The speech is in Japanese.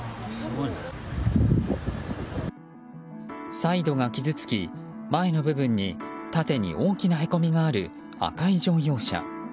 サイドが傷つき、前の部分に縦に大きなへこみがある赤い乗用車。